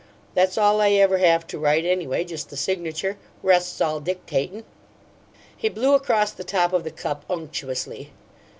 That's all I ever have to write, anyway just the signature. Rest's all dictatin'." He blew across the top of the cup unctuously.